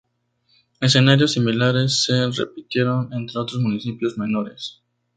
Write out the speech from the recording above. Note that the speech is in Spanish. Escenarios similares se repitieron en otros municipios menores.